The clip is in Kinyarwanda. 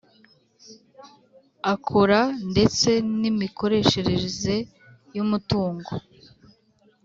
akora ndetse n’imikoreshereze y’umutungo;